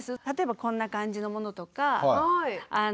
例えばこんな感じのものとか。